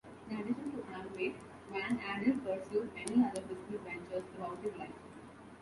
In addition to Amway, Van Andel pursued many other business ventures throughout his life.